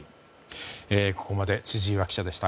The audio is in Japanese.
ここまで千々岩記者でした。